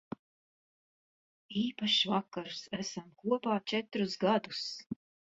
Īpašs vakars. Esam kopā četrus gadus.